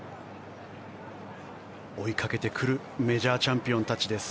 追いかけてくるメジャーチャンピオンたちです。